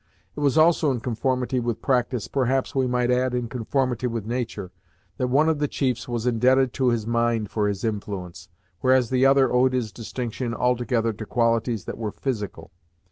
It was also in conformity with practice, perhaps we might add in conformity with nature, that one of the chiefs was indebted to his mind for his influence, whereas the other owed his distinction altogether to qualities that were physical.